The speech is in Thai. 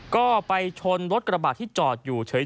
ก็ไปชนรถกระบาดที่จอดอยู่เฉย